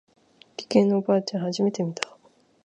理系のおばあちゃん初めて見た。